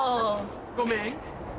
ごめん。